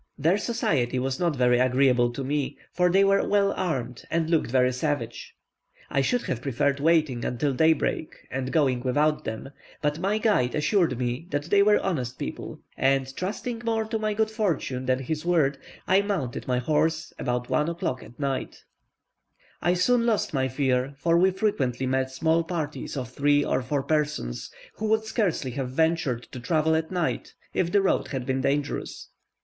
Their society was not very agreeable to me, for they were well armed, and looked very savage. I should have preferred waiting until daybreak, and going without them, but my guide assured me that they were honest people; and trusting more to my good fortune than his word, I mounted my horse about 1 o'clock at night. 4th August. I soon lost my fear, for we frequently met small parties of three or four persons, who would scarcely have ventured to travel at night if the road had been dangerous.